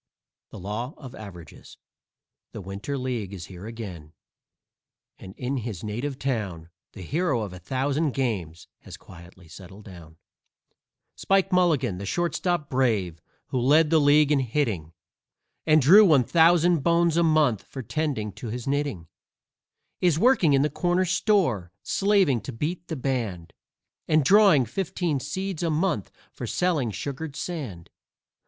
THE LAW OF AVERAGES The Winter League is here again, and in his native town The hero of a thousand games has quietly settled down. Spike Mulligan, the shortstop brave, who led the league in hitting, And drew one thousand bones a month for tending to his knitting, Is working in the corner store, slaving to beat the band, And drawing fifteen seeds a month for selling sugared sand.